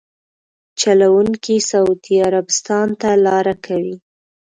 چلونکي سعودي عربستان ته لاره کوي.